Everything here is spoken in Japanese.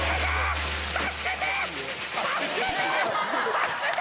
助けて！